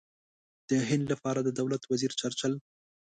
د هند لپاره د دولت وزیر چرچل.